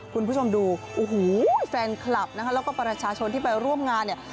คุณผู้ชมดูโอ้โหแฟนคลับนะคะแล้วก็ประชาชนที่ไปร่วมงานเนี่ย